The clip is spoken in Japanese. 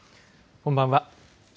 こんばんは。